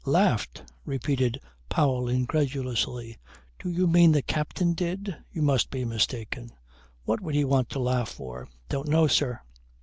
"Laughed," repeated Powell incredulously. "Do you mean the captain did? You must be mistaken. What would he want to laugh for?" "Don't know, sir."